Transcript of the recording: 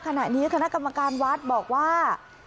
ขณะนี้คณะกรรมการวัดบอกว่า